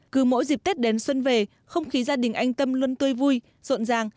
cứ mỗi dịp tết đến xuân về không khí gia đình anh tâm luôn tươi vui rộn ràng